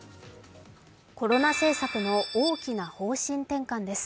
コロナ政策の大きな方針転換です。